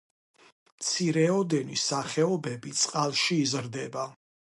მცირეოდენი სახეობები წყალში იზრდება.